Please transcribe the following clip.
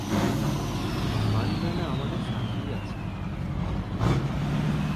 মানগানা আমাদের সাথেই আছে।